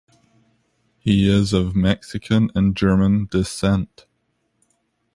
He is of Mexican and German descent.